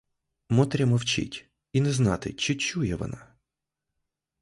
Мотря мовчить, і не знати, чи чує вона.